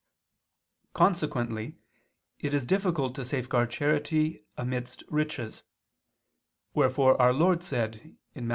Consequently it is difficult to safeguard charity amidst riches: wherefore our Lord said (Matt.